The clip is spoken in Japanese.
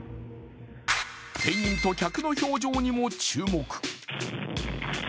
店員と客の表情にも注目。